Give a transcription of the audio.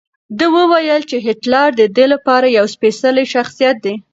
ده وویل چې هېټلر د ده لپاره یو سپېڅلی شخصیت دی.